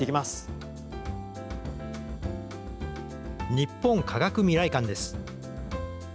日本科学未来館です。